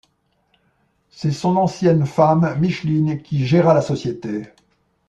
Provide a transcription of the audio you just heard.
C'est son ancienne femme Micheline qui géra la société.